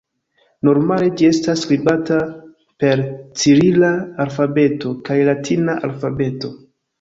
Normale ĝi estas skribata per cirila alfabeto kaj latina alfabeto.